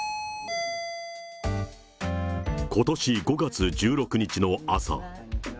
ことし５月１６日の朝。